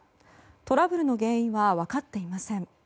トラブルの原因は分かっていません。